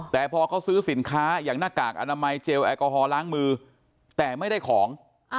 แต่พอเขาซื้อสินค้าอย่างหน้ากากอนามัยเจลแอลกอฮอลล้างมือแต่ไม่ได้ของ